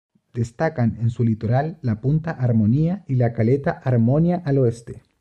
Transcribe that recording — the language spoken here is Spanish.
Destacan en su litoral la punta Armonía y la caleta Armonía al oeste.